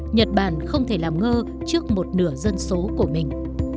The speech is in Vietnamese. nhật bản không thể làm ngơ trước một nửa dân số của mình